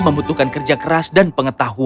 membutuhkan kerja keras dan pengetahuan